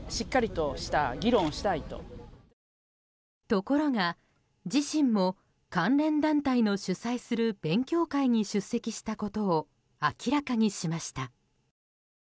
ところが自身も関連団体の主催する勉強会に出席したことを明らかにしました。